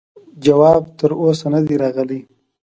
جواب تر اوسه نه دی راغلی.